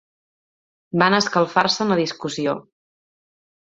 Van escalfar-se en la discussió.